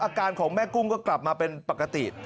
อาการของแม่กุ้งก็กลับมาเป็นปกติ